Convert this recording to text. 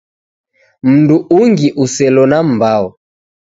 Mndu ungi uselo na mmbao